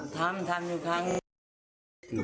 ทำทำอยู่ครั้งนี้